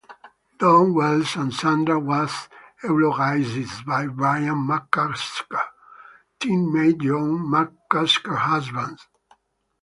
Don Wells, and Sandra was eulogized by Brian McCusker, teammate Joan McCusker's husband.